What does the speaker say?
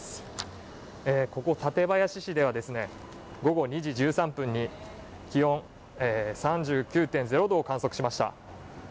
ここ館林市では、午後２時１３分に気温３９．０度を観測しました。